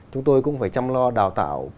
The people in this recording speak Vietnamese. chúng tôi cũng phải chăm lo đào tạo